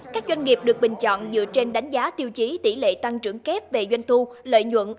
các doanh nghiệp được bình chọn dựa trên đánh giá tiêu chí tỷ lệ tăng trưởng kép về doanh thu lợi nhuận